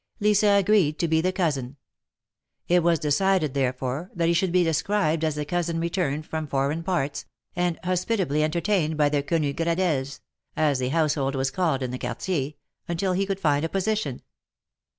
Lisa agreed to be the cousin. It was decided, therefore, that he should be described as the cousin returned from foreign parts, and hospitably entertained by the Quenu Gradelles' — as the household was called in the Quartier — until he could find a position.